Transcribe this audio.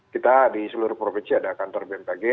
kita di seluruh provinsi ada kantor bmkg